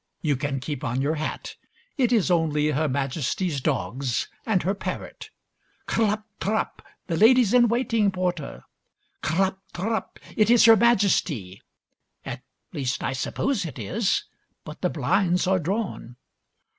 You can keep on your hat. It is only Her Majesty's dogs and her parrot. Clop trop! The Ladies in Waiting, Porter. Clop trop! It is Her Majesty. At least, I suppose it is, but the blinds are drawn.